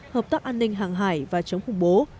hợp tác an ninh hàng hải và chống khủng bố